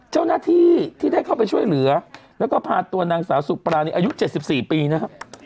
เจ้าหน้าที่ที่ได้เข้าไปช่วยเหลือแล้วก็พาตัวนางสาวสุปรานีอายุ๗๔ปีนะครับ